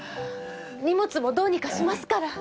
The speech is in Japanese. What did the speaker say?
荷物もどうにかしますから。